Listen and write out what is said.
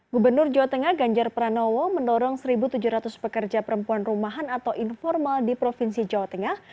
gubernur jawa tengah ganjar pranowo mendorong satu tujuh ratus pekerja perempuan rumahan atau informal di provinsi jawa tengah